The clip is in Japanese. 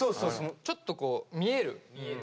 ちょっとこう見える。